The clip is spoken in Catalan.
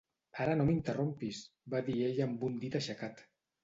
"Ara no m'interrompis!" va dir ella amb un dit aixecat.